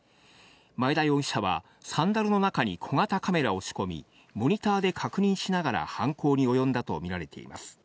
前田容疑者はサンダルの中に小型カメラを仕込み、モニターで確認しながら犯行に及んだと見られています。